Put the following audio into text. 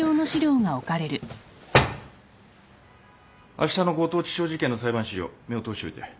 あしたの強盗致傷事件の裁判資料目を通しておいて。